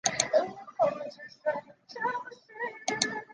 以色列体育是以色列民族文化的重要组成部分。